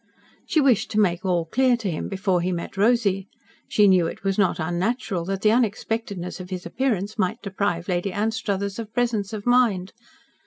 She wished to make all clear to him before he met Rosy. She knew it was not unnatural that the unexpectedness of his appearance might deprive Lady Anstruthers of presence of mind.